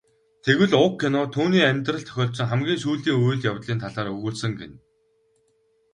Тэгвэл уг кино түүний амьдралд тохиолдсон хамгийн сүүлийн үйл явдлын талаар өгүүлсэн гэнэ.